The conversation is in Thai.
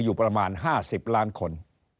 อยู่ประมาณ๕๐ล้านคน